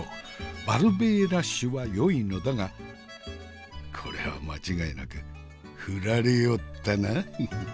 バルベーラ種はよいのだがこれは間違いなく振られおったな。